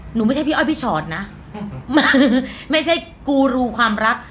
ไม่ใช่พี่อ้อยพี่ชอตนะไม่ใช่กูรูความรัก